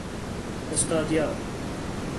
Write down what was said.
استادیار